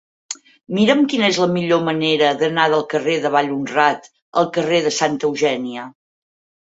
Mira'm quina és la millor manera d'anar del carrer de Vallhonrat al carrer de Santa Eugènia.